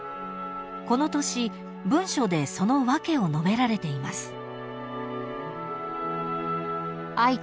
［この年文書でその訳を述べられています］